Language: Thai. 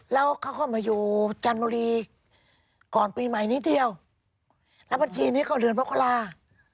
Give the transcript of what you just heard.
แล้วเค้าเข้ามาอยู่กันบรีก่อนปีใหม่นิดเดียวแล้วบรรทีนี้ก็เดือนมกราคม